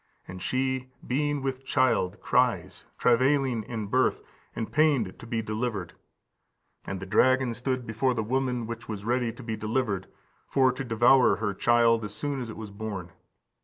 And she, being with child, cries, travailing in birth, and pained to be delivered. And the dragon stood before the woman which was ready to be delivered, for to devour her child as soon as it was born.